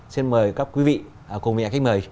xin mời các quý vị cùng nhận cách mời